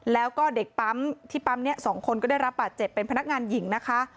แล้วก็เด็กปั๊มที่ปั๊มนี้๒คนก็ได้รับบาดเจ็บเป็นพนักงานหญิงนะคะ